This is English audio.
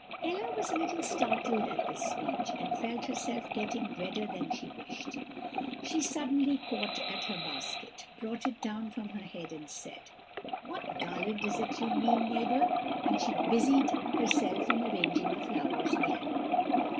"Ella was a little startled at this speech, and felt herself getting redder than she wished. She suddenly caught at her basket, brought it down from her head, and said, 'What garland is it you mean, neighbour?' and she busied herself in arranging the flowers again.